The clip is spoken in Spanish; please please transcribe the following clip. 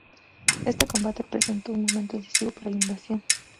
Este combate representó un momento decisivo para la "Invasión".